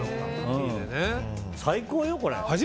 最高よ、これ。